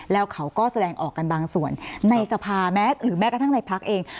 แล้วเขาก็แสดงออกกันบางส่วนในสภาแม้หรือแม้กระทั่งในพักเอง